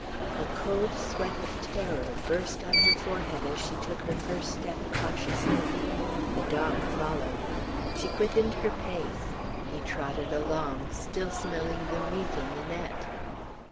A cold sweat of terror burst on her forehead as she took her first step cautiously. The dog followed. She quickened her pace; he trotted along, still smelling the meat in the net.